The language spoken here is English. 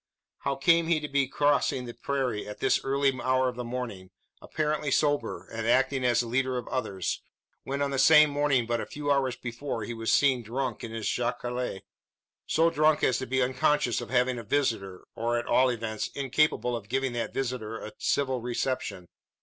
How came he to be crossing the prairie at this early hour of the morning apparently sober, and acting as the leader of others when on the same morning, but a few hours before, he was seen drunk in his jacale so drunk as to be unconscious of having a visitor, or, at all events, incapable of giving that visitor a civil reception?